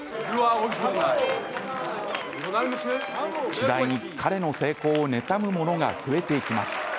次第に、彼の成功を妬む者が増えていきます。